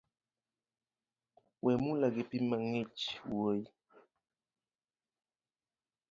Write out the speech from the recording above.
Wemula gipi mang’ich wuoyi